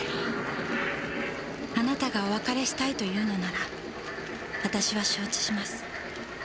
「あなたがお別れしたいと言うのなら私は承知します。